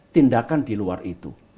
tindakan di luar itu